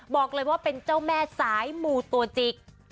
บอกเลยว่าเป็นเจ้าแม่สายมูตัวจิก